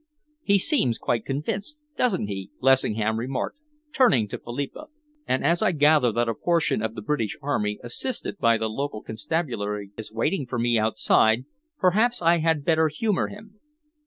"He seems quite convinced, doesn't he?" Lessingham remarked, turning to Philippa. "And as I gather that a portion of the British Army, assisted by the local constabulary, is waiting for me outside, perhaps I had better humour him."